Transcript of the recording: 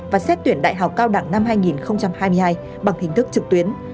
và xét tuyển đại học cao đẳng năm hai nghìn hai mươi hai bằng hình thức trực tuyến